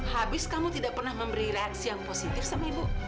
habis kamu tidak pernah memberi reaksi yang positif sama ibu